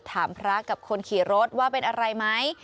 ถามพระกับคนขี่รถว่าเป็นอะไรไหม